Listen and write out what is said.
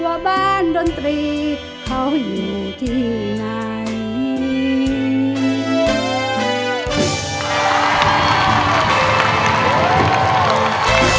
ว่าบ้านดนตรีเขาอยู่ที่ไหน